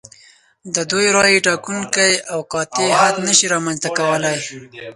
د دوی رایې ټاکونکی او قاطع حد نشي رامنځته کولای.